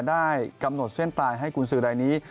ได้กำหนดเส้นตายให้กุญสือรายนี้